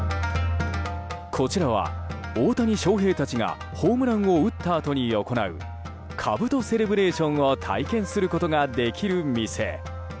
こちらは、大谷翔平たちがホームランを打ったあとに行うかぶとセレブレーションを体験することができる店。